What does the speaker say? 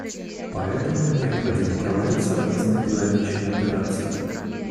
Поэтому им необходимо проводить совместные пограничные операции.